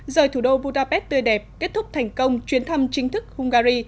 rời thủ đô budapest tươi đẹp kết thúc thành công chuyến thăm chính thức hungary